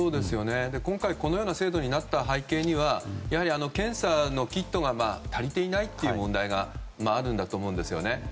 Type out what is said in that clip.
今回、このような制度になった背景にはやはり検査のキットが足りていないという問題があるんだと思うんですよね。